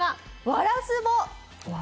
ワラスボ。